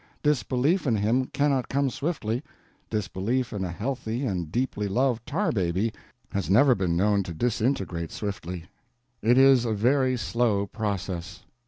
Disbelief in him cannot come swiftly, disbelief in a healthy and deeply loved tar baby has never been known to disintegrate swiftly; it is a very slow process.